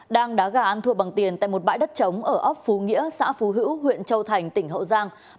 đang đá gà ăn thua bằng tiền tại một bãi đất trống ở ấp phú nghĩa xã phú hữu huyện châu thành tỉnh hậu giang